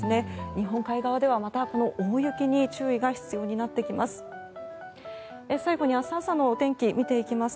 日本海側ではこの大雪に注意が必要となってきます。